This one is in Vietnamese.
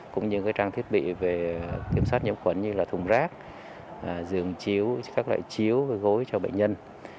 cũng như trang thiết bị về kiểm soát nhiễm khuẩn như là thùng rác giường chiếu các loại chiếu và gối cho bệnh nhân